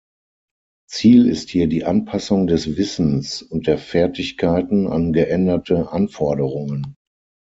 Ziel ist hier die Anpassung des Wissens und der Fertigkeiten an geänderte Anforderungen.